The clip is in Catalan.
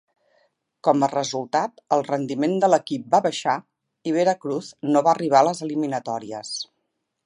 Com a resultat, el rendiment de l'equip va baixar i Veracruz no va arribar a les eliminatòries.